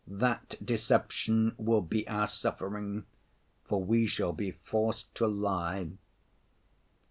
That deception will be our suffering, for we shall be forced to lie.